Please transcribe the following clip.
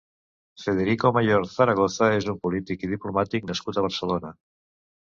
Federico Mayor Zaragoza és un polític i diplomàtic nascut a Barcelona.